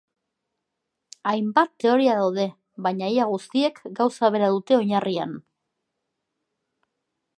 Hainbat teoria daude, baina ia guztiek gauza bera dute oinarrian.